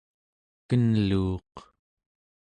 kenluuq